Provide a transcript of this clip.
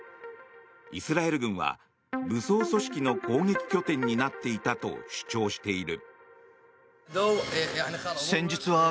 イスラエル軍は武装組織の攻撃拠点になっていたと主張している。